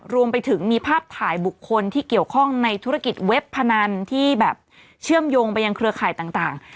รวมไปถึงมีภาพถ่ายบุคคลที่เกี่ยวข้องในธุรกิจเว็บพนันที่แบบเชื่อมโยงไปยังเครือข่ายต่าง